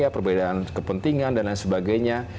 perbedaan kepentingan dan lain sebagainya